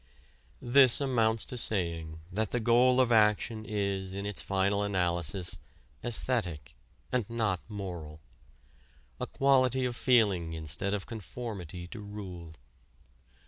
This amounts to saying that the goal of action is in its final analysis æsthetic and not moral a quality of feeling instead of conformity to rule.